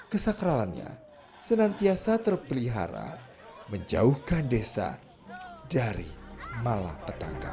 kesakralannya senantiasa terpelihara menjauhkan desa dari malapetaka